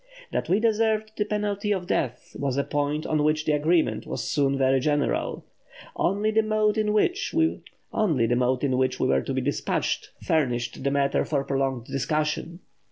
That we deserved the penalty of death was a point on which the agreement was soon very general; only the mode in which we were to be dispatched furnished the matter for prolonged discussion.